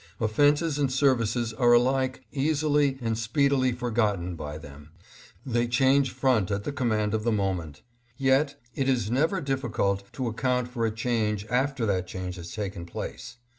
Offenses and services are alike easily and speedily forgotten by them. They change front at the com mand of the moment. Yet it is never difficult to CAUSES OF THE REPUBLICAN DEFEAT. 671 account for a change after that change has taken place.